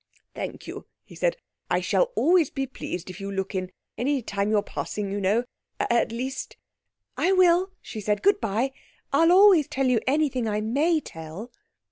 "Thank you," he said, "I shall always be pleased if you'll look in—any time you're passing you know—at least..." "I will," she said; "goodbye. I'll always tell you anything I may tell."